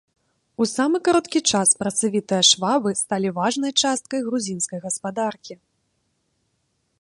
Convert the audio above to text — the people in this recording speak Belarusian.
У самы кароткі час працавітыя швабы сталі важнай часткай грузінскай гаспадаркі.